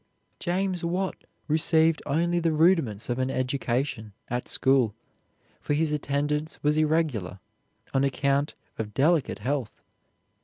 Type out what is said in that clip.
James Watt received only the rudiments of an education at school, for his attendance was irregular on account of delicate health.